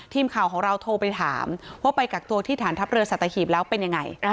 ทีมข่าวของเราโทรไปถามว่าไปกักตัวที่ฐานทัพเรือสัตหีบแล้วเป็นยังไง